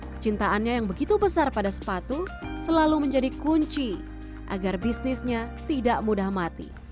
kecintaannya yang begitu besar pada sepatu selalu menjadi kunci agar bisnisnya tidak mudah mati